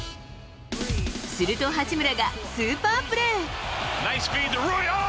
すると八村がスーパープレー。